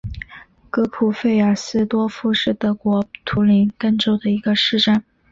格普费尔斯多夫是德国图林根州的一个市镇。